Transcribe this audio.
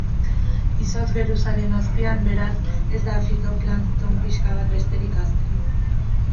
Izotz geruzaren azpian, beraz, ez da fitoplankton pixka bat besterik hazten.